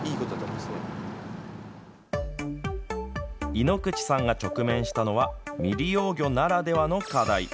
井口さんが直面したのは未利用魚ならではの課題。